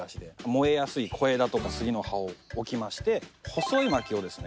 燃えやすい小枝とか杉の葉を置きまして細い薪をですね